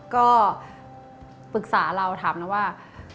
ก็ปรึกษาเราถามนะว่า